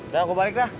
udah gue balik dah